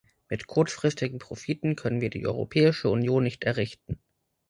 Mit kurzfristigen Profiten können wir die Europäische Union nicht errichten.